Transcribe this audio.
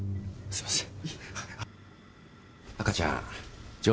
すいません。